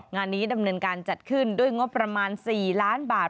งานนี้ดำเนินการจัดขึ้นด้วยงบประมาณ๔ล้านบาท